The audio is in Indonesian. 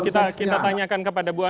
kita tanyakan kepada bu ani